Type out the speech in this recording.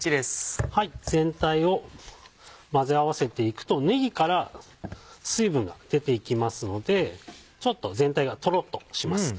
全体を混ぜ合わせていくとねぎから水分が出ていきますのでちょっと全体がとろっとします。